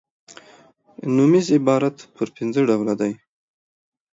نومیز عبارت پر پنځه ډوله دئ.